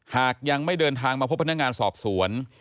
หากยังไม่เดินทางมาพบพนักงานสอบสวน